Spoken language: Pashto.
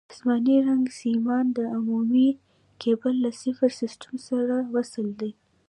اسماني رنګ سیمان د عمومي کیبل له صفر سیم سره وصل دي.